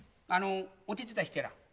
お手伝いしてやらぁ。